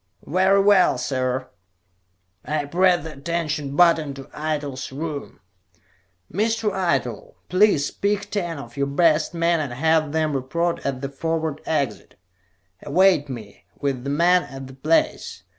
"Very well, sir." I pressed the attention button to Eitel's room. "Mr. Eitel, please pick ten of your best men and have them report at the forward exit. Await me, with the men, at that place.